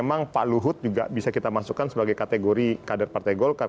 memang pak luhut juga bisa kita masukkan sebagai kategori kader partai golkar